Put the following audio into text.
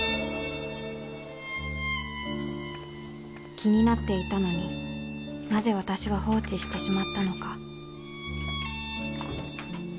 気になっていたのになぜ私は放置してしまったのか？